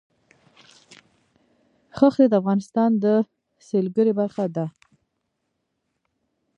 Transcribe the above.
ښتې د افغانستان د سیلګرۍ برخه ده.